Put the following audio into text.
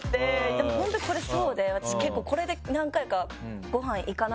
でも本当これそうで私結構これで何回か。